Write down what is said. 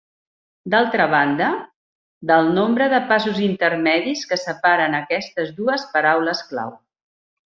D'altra banda, del nombre de passos intermedis que separen aquestes dues paraules clau.